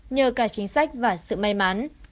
nhờ cả chính sách và sự may mắn